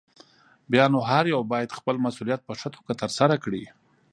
بيا نو هر يو بايد خپل مسؤليت په ښه توګه ترسره کړي.